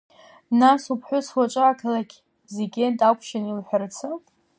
Нас уԥҳәыс уаҵәы ақалақь зегьы дакәшан илҳәарцы.